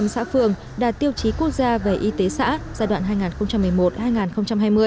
một trăm linh xã phường đạt tiêu chí quốc gia về y tế xã giai đoạn hai nghìn một mươi một hai nghìn hai mươi